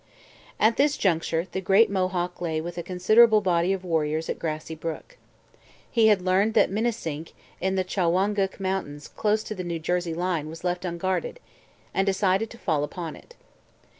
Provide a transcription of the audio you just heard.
At this juncture the great Mohawk lay with a considerable body of warriors at Grassy Brook. He had learned that Minisink in the Shawangunk Mountains close to the New Jersey line was left unguarded, and decided to fall upon it.